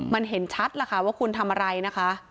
มันเห็นชัดล่ะค่ะว่าคุณทำอะไรนะคะ